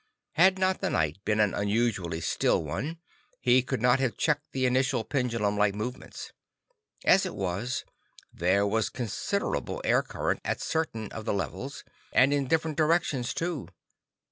Had not the night been an unusually still one, he could not have checked the initial pendulum like movements. As it was, there was considerable air current at certain of the levels, and in different directions too.